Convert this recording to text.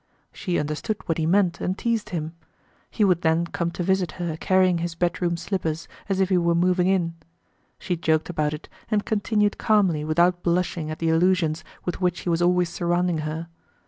She understood what he meant and teased him. He would then come to visit her carrying his bedroom slippers, as if he were moving in. She joked about it and continued calmly without blushing at the allusions with which he was always surrounding her.